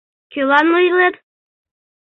Кöлан ойлет?